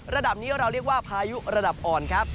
ระดับนี้เราเรียกว่าพายุระดับอ่อนครับ